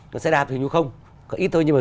còn xe đạp thì không ít thôi nhưng mà